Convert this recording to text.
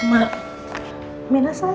tertara quotes pangkas senantia